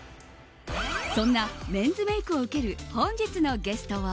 そんなメンズメイクを受ける本日のゲストは。